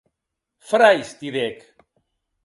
Frairs, didec.